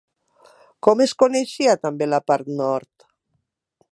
Com es coneixia també la part nord?